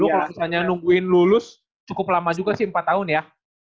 kalau misalnya nungguin lulus cukup lama juga sih empat tahun ya